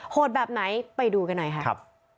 โหดแบบไหนไปดูกันหน่อยค่ะ